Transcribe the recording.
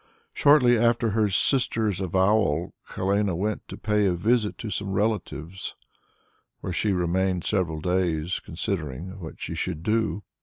Shortly after her sister's avowal, Helene went to pay a visit to some relatives, where she remained several days, considering what she should do.